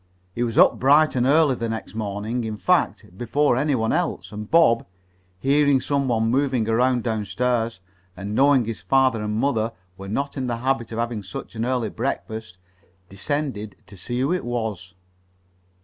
He was up bright and early the next morning in fact, before any one else, and Bob, hearing some one moving around downstairs, and knowing his father and mother were not in the habit of having such an early breakfast, descended to see who it was.